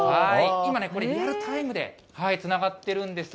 今ね、これ、リアルタイムでつながっているんですよ。